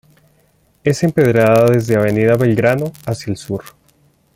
Es empedrada desde Avenida Belgrano hacia el sur.